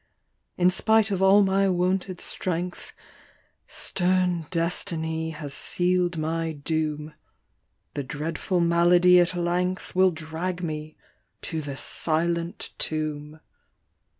« In spite of all my wonted strength, Stern destiny has seal'd my doom ; The dreadful malady at length Will drag me to the silent tomb